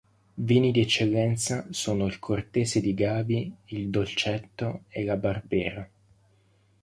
Vini di eccellenza sono il Cortese di Gavi, il Dolcetto e la Barbera.